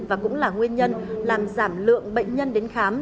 và cũng là nguyên nhân làm giảm lượng bệnh nhân đến khám